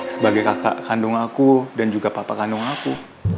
sebagai kakak kandung aku dan juga papa kandung aku